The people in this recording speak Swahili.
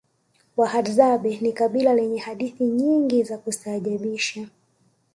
wahadzabe ni kabila lenye hadithi nyingi za kustaajabisha